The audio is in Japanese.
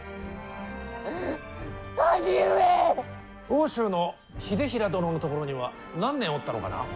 奥州の秀衡殿のところには何年おったのかな。